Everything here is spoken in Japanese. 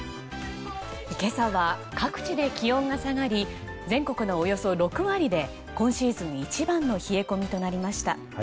今朝は各地で気温が下がり全国のおよそ６割で今シーズン一番の冷え込みとなりました。